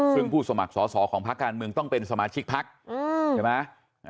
ซึ่งผู้สมัครสอสอของพักการเมืองต้องเป็นสมาชิกพักใช่ไหม